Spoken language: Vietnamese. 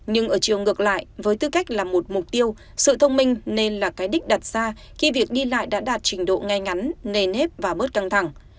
nhưng ở chiều ngược lại với tư cách là một mục tiêu sự thông minh nên là cái đích đặt ra khi việc đi lại đã đạt trình độ ngay ngắn nền nếp và bớt căng thẳng